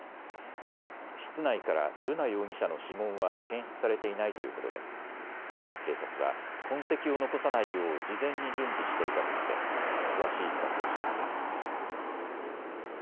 室内から瑠奈容疑者の指紋は検出されていないということで警察は痕跡を残さないよう事前に準備していたと見て詳しいいきさつを調べています。